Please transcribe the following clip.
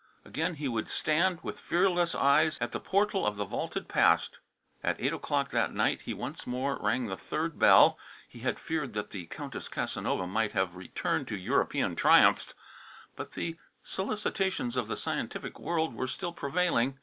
Again he would stand, with fearless eyes, at the portal of the vaulted past. At eight o'clock that night he once more rang the third bell. He had feared that the Countess Casanova might have returned to European triumphs, but the solicitations of the scientific world were still prevailing.